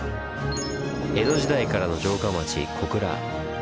江戸時代からの城下町小倉。